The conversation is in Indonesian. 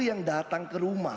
yang datang ke rumah